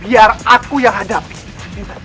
biar aku yang hadapi